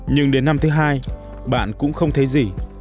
nhưng đến năm thứ hai bạn cũng không thấy gì